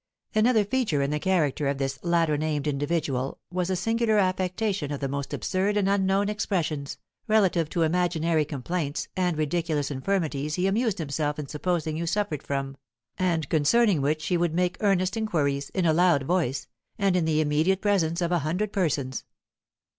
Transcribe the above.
Another feature in the character of this latter named individual was a singular affectation of the most absurd and unknown expressions, relative to imaginary complaints and ridiculous infirmities he amused himself in supposing you suffered from, and concerning which he would make earnest inquiries, in a loud voice, and in the immediate presence of a hundred persons.